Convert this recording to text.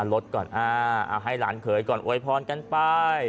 ลดก่อนให้หลานเขยก่อนโวยพรกันไป